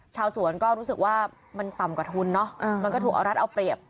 ชาวสวนก็รู้สึกว่ามันต่ำกว่าทุนเนอะมันก็ถูกเอารัดเอาเปรียบ